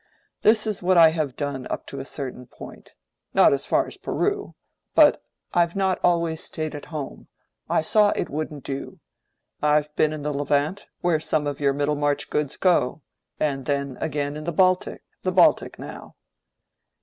That is what I have done up to a certain point—not as far as Peru; but I've not always stayed at home—I saw it wouldn't do. I've been in the Levant, where some of your Middlemarch goods go—and then, again, in the Baltic. The Baltic, now."